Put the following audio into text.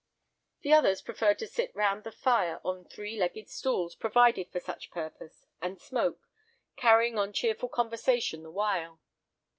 The others preferred to sit round the fire on three legged stools provided for such purpose, and smoke, carrying on cheerful conversation the while.